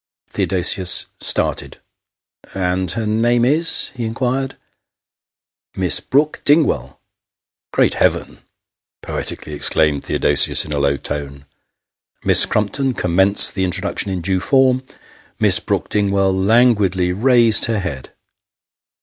Theodosius started. " And her name is ?" he inquired. " Miss Brook Dingwall." " Great Heaven !" poetically exclaimed Theodosius, in a low tone. Miss Crumpton commenced the introduction in due form. Miss Brook Dingwall languidly raised her head.